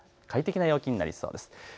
快適な陽気になりそうです。